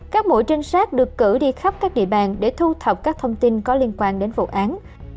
các mũi trinh sát được cử đi khắp các địa bàn để thu thập các thông tin có liên quan đến vụ án